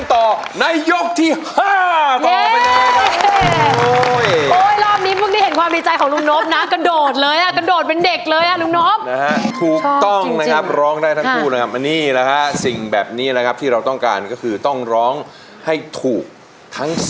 ถ้าเวาะการแบบนี้ร้องได้ทั้งคู่ค่ะ